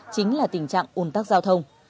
chính là tình trạng ồn tắc giao thông